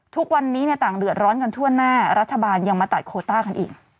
ทุกวันนี้ต่างเดือดร้อนกันทั่วหน้ารัฐบาลยังมาตัดโคต้ากันอีก